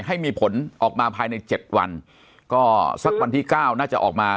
ให้มีผลออกมาภายในเจ็ดวันก็สักวันที่เก้าน่าจะออกมา